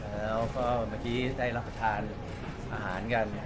แล้วก็เมื่อกี้ได้รับประทานอาหารกัน